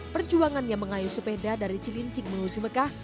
perjuangannya mengayuh sepeda dari cilincing menuju mekah